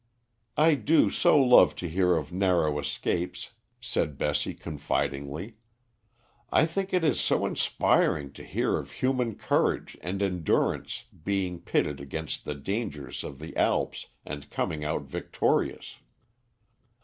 "I do so love to hear of narrow escapes," said Bessie confidingly. "I think it is so inspiring to hear of human courage and endurance being pitted against the dangers of the Alps, and coming out victorious."